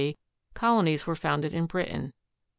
d., colonies were founded in Britain.